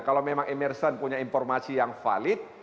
kalau memang emerson punya informasi yang valid